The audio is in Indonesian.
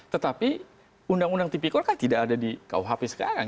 tetapi undang undang tipikor kan tidak ada di kuhp sekarang